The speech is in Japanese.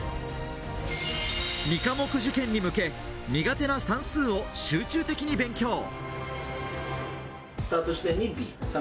２科目受験に向け、苦手な算数を集中的に勉強を。